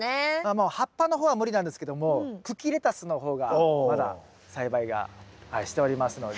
もう葉っぱの方は無理なんですけども茎レタスの方がまだ栽培がしておりますので。